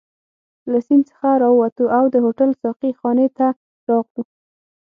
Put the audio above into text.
له سیند څخه راووتو او د هوټل ساقي خانې ته راغلو.